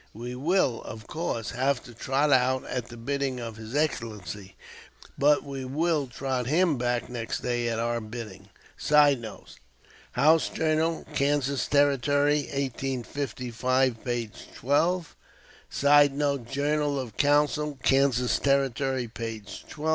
We will, of course, have to 'trot' out at the bidding of his Excellency, but we will trot him back next day at our bidding." [Sidenote: "House Journal Kansas Territory," 1855, p. 12.] [Sidenote: "Journal of Council, Kansas Territory," p. 12.